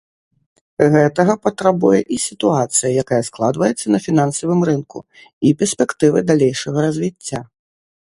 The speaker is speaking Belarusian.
Гэтага патрабуе і сітуацыя, якая складваецца на фінансавым рынку, і перспектывы далейшага развіцця.